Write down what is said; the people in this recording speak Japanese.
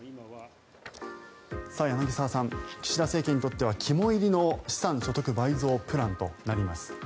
柳澤さん、岸田政権にとっては肝煎りの資産所得倍増プランとなります。